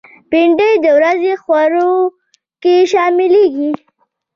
بېنډۍ د ورځې خوړو کې شاملېږي